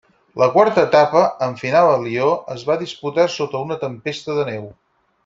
La quarta etapa, amb final a Lió, es va disputar sota una tempesta de neu.